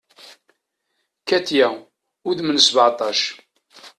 Katiya, udem n sbeɛtac.